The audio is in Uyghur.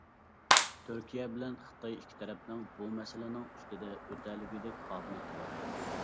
تۈركىيە بىلەن خىتاي ئىككى تەرەپنىڭ بۇ مەسىلىنىڭ ئۈستىدىن ئۆتەلىگۈدەك قابىلىيىتى بار.